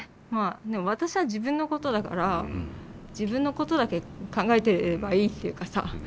まあ私は自分のことだから自分のことだけ考えていればいいっていうかさ